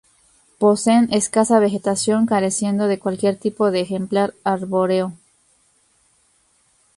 Poseen escasa vegetación, careciendo de cualquier tipo de ejemplar arbóreo.